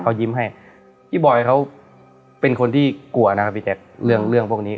เขายิ้มให้พี่บอยเขาเป็นคนที่กลัวนะครับพี่แจ๊คเรื่องเรื่องพวกนี้